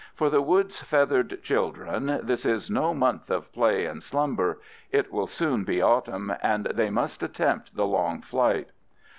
For the wood's feathered children this is no month of play and slumber; it will soon be autumn, and they must attempt the long flight.